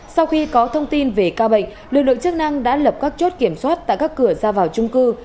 sau khi có thông tin về ca bệnh lực lượng chức năng đã lập các chốt kiểm soát tại các cửa ra vào trung cư